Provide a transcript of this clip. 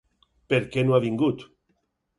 Per què no ha vingut?